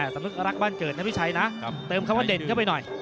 สำนึกรักบ้านเกิดนะพี่ชัยนะเติมคำว่าเด่นเข้าไปหน่อย